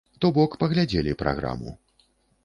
То бок, паглядзелі праграму.